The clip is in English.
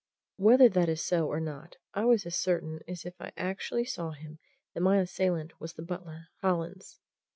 Whether that is so or not, I was as certain as if I actually saw him that my assailant was the butler, Hollins.